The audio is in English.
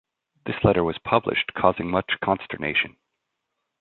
This letter was published causing much consternation.